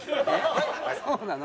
そうなの？